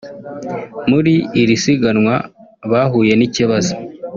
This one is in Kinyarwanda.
muri iri siganwa bahuye n’ikibazo